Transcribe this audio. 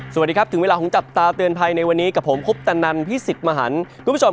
สวัสดีครับก็ชับตาเตือนภัยในวันนี้กับผมคบตนันพิสิทธิ์มหันต์